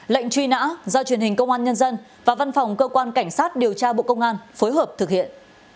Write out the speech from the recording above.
lệnh truy nã do truyền hình công an nhân dân và văn phòng cơ quan cảnh sát điều tra bộ công an phối hợp thực hiện